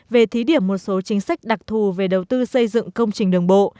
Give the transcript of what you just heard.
về thí điểm một số chính sách đặc thù về đầu tư xây dựng công trình đường bộ